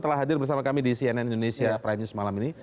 telah hadir bersama kami di cnn indonesia prime news malam ini